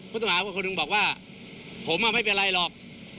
ผู้ต้องหาคนหนึ่งบอกว่าผมไม่เป็นไรหรอก